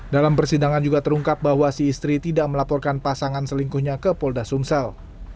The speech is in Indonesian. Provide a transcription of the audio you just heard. dalam persidangan juga terungkap bahwa si istri tidak melaporkan pasangan selingkuhnya ke polda sumsel